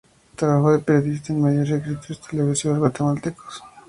Trabajó de periodista de medios escritos y televisivos guatemaltecos.